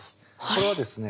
これはですね